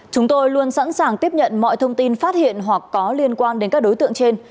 chúng tôi luôn sẵn sàng tiếp nhận mọi thông tin phát hiện hoặc có liên quan đến các đối tượng trên